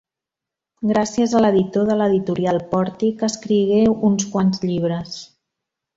Gràcies a l'editor de l'Editorial Pòrtic, escrigué uns quants llibres.